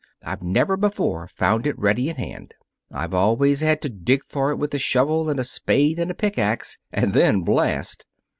I've never before found it ready at hand. I've always had to dig for it with a shovel and a spade and a pickax, and then blast.